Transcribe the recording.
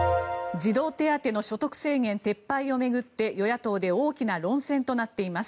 児童手当の所得制限撤廃を巡って与野党で大きな論戦となっています。